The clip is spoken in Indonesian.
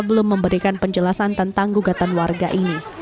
belum memberikan penjelasan tentang gugatan warga ini